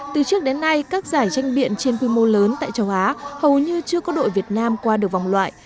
từ trước đến nay các giải tranh biện trên quy mô lớn tại châu á hầu như chưa có đội việt nam qua được vòng loại